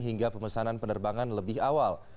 hingga pemesanan penerbangan lebih awal